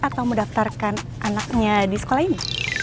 atau mendaftarkan anaknya di sekolah ini